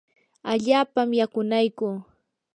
allaapam yakunaykuu.